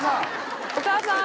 お母さん！